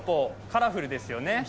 カラフルですよね。